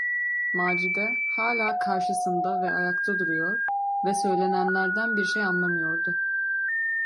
Macide hâlâ karşısında ve ayakta duruyor ve söylenenlerden bir şey anlamıyordu.